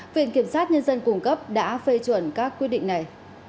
viện kiểm sát nhân dân cung cấp đã phê chuẩn các quyết định này